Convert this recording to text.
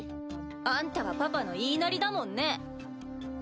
あんたはパパの言いなりだもんね。